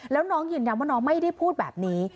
แล้วน้องยืนยันว่าน้องไม่ได้พูดแบบนี้